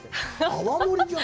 泡盛じゃん。